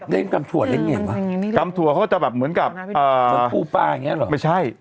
เล่นไงวะเก็บทั่วเขาจะแบบเหมือนกับอ่าแฮตี้ปลาเฮียหรอไม่ใช่